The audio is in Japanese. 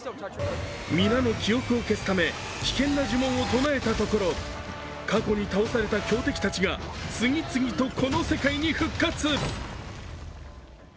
皆の記憶を消すため危険な呪文を唱えたところ過去に倒された強敵たちが次々とこの世界に復活。